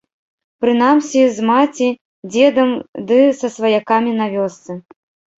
Прынамсі, з маці, дзедам ды са сваякамі на вёсцы.